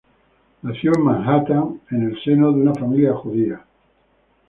Nació en Manhattan, en el seno de una familia judía.